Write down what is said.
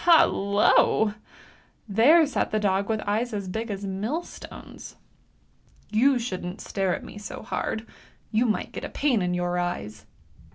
Hallo! there sat the dog with eyes as big as millstones. " You shouldn't stare at me so hard; you might get a pain in your eyes!